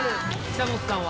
久本さんは。